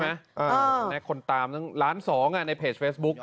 แม่คนตามนั้นล้านสองในเพจเฟซบุ๊ก